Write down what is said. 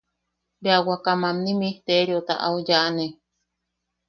Bea waka mamni misteriota au yaʼane.